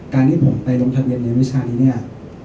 การที่ไปตรงธาบเย็นเรียนวิชานี้เนี่ย